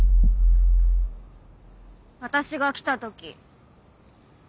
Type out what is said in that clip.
私が来た時。